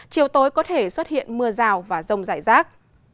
gối có thể xuất hiện mưa rào và rông rải rác